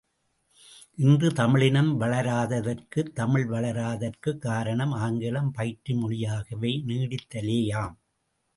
இன்று தமிழினம் வளராததற்கு தமிழ் வளராததற்குக் காரணம் ஆங்கிலம் பயிற்று மொழியாக நீடித்தலேயாம்.